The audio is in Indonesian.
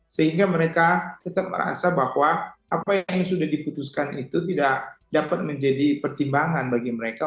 sehingga mereka tetap merasa bahwa apa yang sudah diputuskan itu tidak dapat menjadi pertimbangan bagi mereka